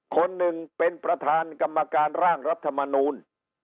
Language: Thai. คนหนึ่งเป็นประธานกรรมการร่างรัฐมนูล